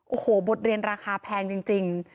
โอ้โหบทเรียนราคาแพงจริง